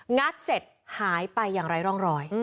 ัดเสร็จหายไปอย่างไร้ร่องรอย